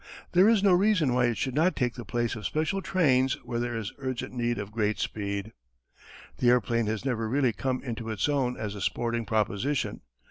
There is no reason why it should not take the place of special trains where there is urgent need of great speed. "The airplane has never really come into its own as a sporting proposition.